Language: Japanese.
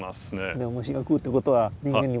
でも虫が食うってことは人間にもいいこと。